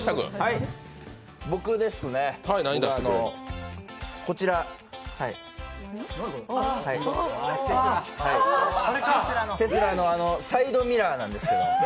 僕ですね、僕はこちら、テスラのサイドミラーなんですけど。